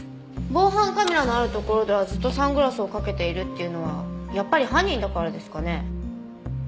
防犯カメラのあるところではずっとサングラスをかけているっていうのはやっぱり犯人だからですかね？